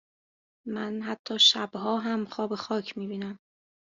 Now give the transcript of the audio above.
من حتا شبها هم خواب خاک میبینم